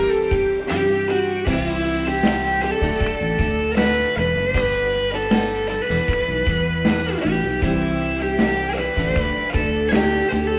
อืม